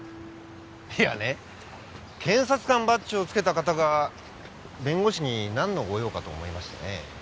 いやね検察官バッジを付けた方が弁護士になんのご用かと思いましてね。